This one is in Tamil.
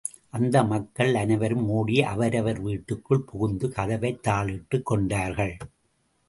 அந்த மக்கள் அனைவரும் ஓடி அவரவர் வீட்டுக்குள் புகுந்து கதவைத் தாழிட்டுக் கொண்டார்கள்.